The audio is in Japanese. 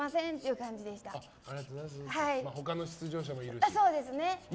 他の出場者もいるから。